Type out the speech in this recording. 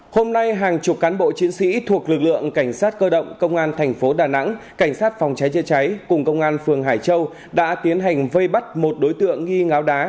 hôm nay hàng chục cán bộ chiến sĩ thuộc lực lượng cảnh sát cơ động công an thành phố đà nẵng cảnh sát phòng cháy chữa cháy cùng công an phường hải châu đã tiến hành vây bắt một đối tượng nghi ngáo đá